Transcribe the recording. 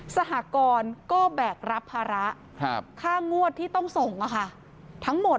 สหกรก็แบกรับภาระค่างวดที่ต้องส่งทั้งหมด